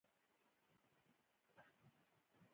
حتمي نه ده حکومت راپرځولو لپاره وشي